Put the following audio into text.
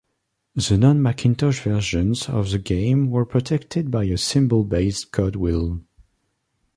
The non-Macintosh versions of the game were protected by a symbol-based code wheel.